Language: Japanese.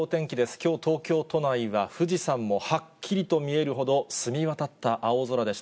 きょう、東京都内は富士山もはっきりと見えるほど、澄み渡った青空でした。